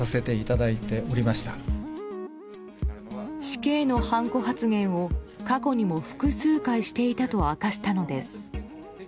死刑のはんこ発言を過去にも複数回していたと明かしたのです。